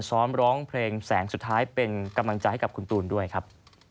ร้องเพลงแสงสุดท้ายเป็นกำลังใจให้กับคุณตูนด้วยครับ